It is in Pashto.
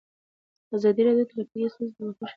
ازادي راډیو د ټرافیکي ستونزې پرمختګ او شاتګ پرتله کړی.